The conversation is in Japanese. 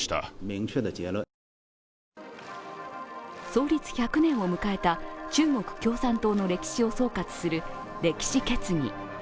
創立１００年を迎えた中国共産党の歴史を総括する歴史決議。